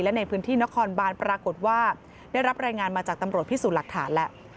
และในพื้นที่นครบานปรากฏว่าได้รับรายงานมาจากตำรวจพิสูจน์หลักฐานแล้ว